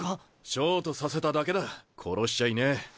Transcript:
ショートさせただけだ殺しちゃいねえ。